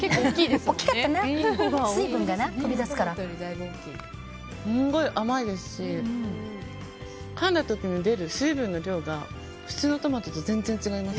すごい甘いですしかんだ時に出る水分の量が普通のトマトと全然違います。